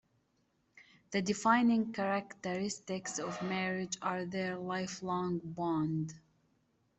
The defining characteristics of marriage are their lifelong bond.